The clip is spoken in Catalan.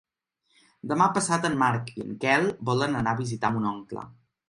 Demà passat en Marc i en Quel volen anar a visitar mon oncle.